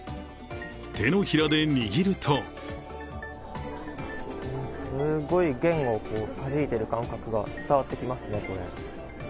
手のひらで握るとすごい、弦をはじいている感覚が伝わってきますね。